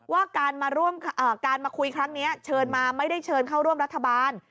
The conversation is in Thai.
ว่าการมาคุยครั้งนี้เชิญมาไม่ได้เชิญเข้าร่วมรัฐบาล